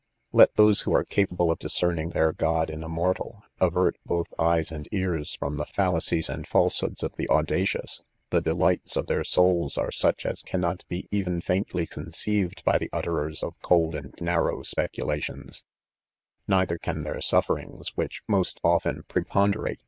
ill PREFACE, Let those who arejcapable of discerning their god in a mortal, avert both eyes and ears from the fallacies and falsehoods of the audacious — the delights of their souls are such as cannot be even faintly conceived hy the ut f erers of cold and narrow speculations j neither can their sufferings, which most often preponderate.